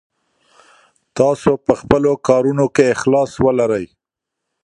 تاسو په خپلو کارونو کې اخلاص ولرئ.